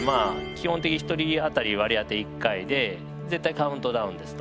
基本的に１人当たり割り当て１回で絶対カウントダウンですと。